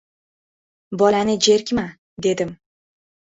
— Bolani jerkma, — dedim.